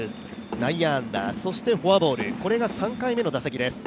内野安打、そしてフォアボールこれが３回目の打席です。